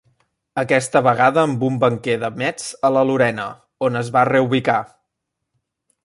Aquesta vegada amb un banquer de Metz a la Lorena, on es va reubicar.